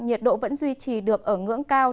nhiệt độ vẫn duy trì được ở ngưỡng cao